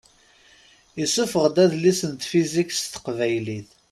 Isuffeɣ-d adlis n tfizikt s teqbaylit.